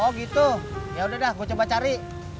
oh gitu ya udah dah gue coba cari